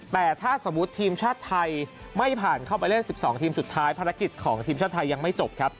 แต่ถ้าสมมุติทีมชาติไทยไม่ผ่านเข้าไปเล่น๑๒ทีมสุดท้ายภารกิจของทีมชาติไทยยังไม่จบครับ